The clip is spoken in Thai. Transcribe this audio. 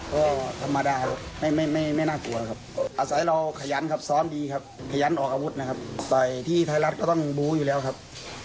ก็ธรรมดาครับไม่น่ากลัวครับอาศัยเราขยันครับซ้อมดีครับขยันออกอาวุธนะครับต่อยที่ไทยรัฐก็ต้องบู้อยู่แล้วครับ